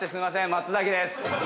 松崎です。